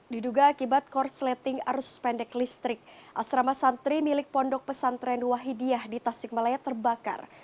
diduga akibat korsleting arus pendek listrik asrama santri milik pondok pesantren wahidiyah di tasikmalaya terbakar